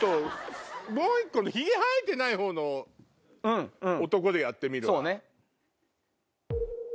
もう１個のヒゲ生えてない男でやってみるわ。